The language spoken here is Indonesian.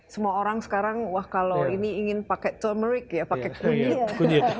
semua orang sekarang wah kalau ini ingin pakai turmeric ya pakai kuning